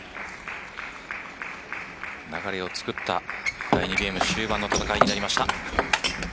流れを作った第２ゲーム終盤の戦いになりました。